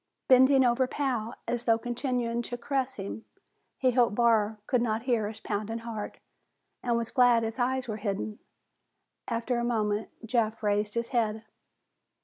Bending over Pal, as though continuing to caress him, he hoped Barr could not hear his pounding heart, and was glad his eyes were hidden. After a moment, Jeff raised his head.